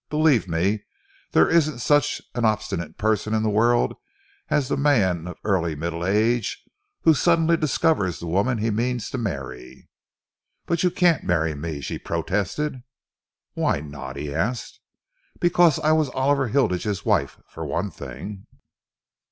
"Believe me, there isn't such an obstinate person in the world as the man of early middle age who suddenly discovers the woman he means to marry." "But you can't marry me," she protested. "Why not?" he asked. "Because I was Oliver Hilditch's wife, for one thing."